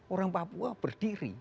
orang papua berdiri